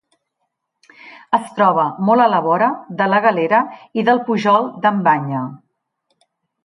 Es troba molt a la vora de La Galera i del Pujol d'en Banya.